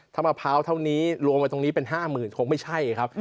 ถ้ามะพร้าวเท่านี้รวมไว้ตรงนี้เป็น๕๐๐๐คงไม่ใช่ครับ